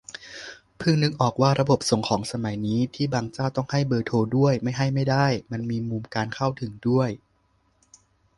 เพิ่งนึกออกว่า ระบบส่งของสมัยนี้ที่บางเจ้าต้องให้เบอร์โทรด้วย ไม่ให้ไม่ได้ มันมีมุมการเข้าถึงด้วย